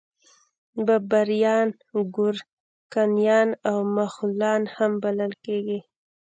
بابریان ګورکانیان او مغولان هم بلل کیږي.